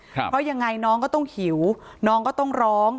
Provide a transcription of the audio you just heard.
เพราะยังไงน้องก็ต้องหิวน้องก็ต้องร้อง